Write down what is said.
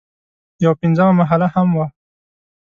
یوه پنځمه محله هم وه.